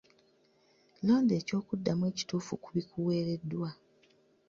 Londa eky'okuddamu ekituufu ku bikuweereddwa.